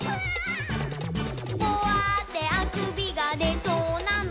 「ポワーッてあくびがでそうなの？」